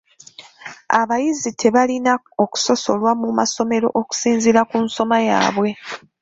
Abayizi tebalina okusosolwa mu masomero okusinziira ku nsoma yaabwe.